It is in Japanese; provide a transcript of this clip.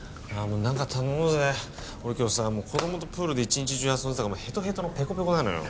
もう何か頼もうぜ俺今日さ子供とプールで一日中遊んでたからヘトヘトのペコペコなのよ